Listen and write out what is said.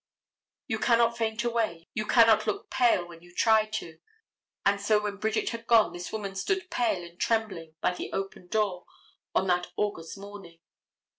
You cannot faint away, you cannot look pale when you try to, and so when Bridget had gone this woman stood pale and trembling by that open door on that August morning.